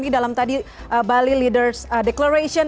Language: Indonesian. di dalam tadi bali leaders declaration